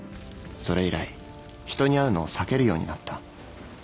それ以来人に会うのを避けるようになった。